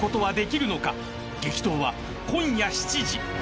［激闘は今夜７時］